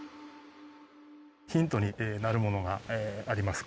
ヒントになるものがあります。